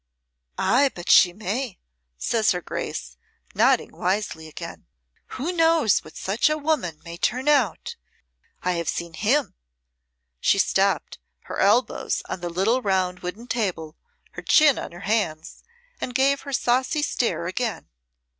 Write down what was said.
"Ay, but she may," says her Grace, nodding wisely again. "Who knows what such a woman may turn out. I have seen him!" She stopped, her elbows on the little round wooden table, her chin on her hands, and gave her saucy stare again.